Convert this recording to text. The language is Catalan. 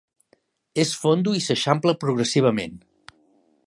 És fondo i s'eixampla progressivament.